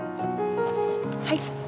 はい。